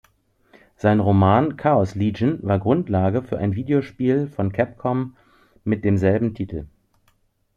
Sein Roman "Chaos Legion" war Grundlage für ein Videospiel von Capcom mit demselben Titel.